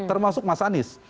termasuk mas anies